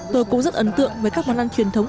tôi cũng rất ấn tượng với các món ăn truyền thống